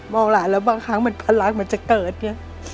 มองล้านแล้วบางครั้งมันพันละมันจะเกิดเนี่ย